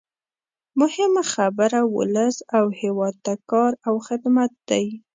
مهمه خبره ولس او هېواد ته کار او خدمت دی.